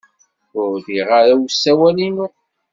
Ur rriɣ ara i usawal-inu.